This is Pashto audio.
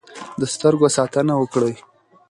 د سترګو ساتنه وکړئ.